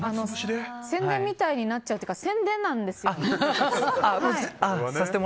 宣伝みたいになっちゃうというか宣伝なんですよね。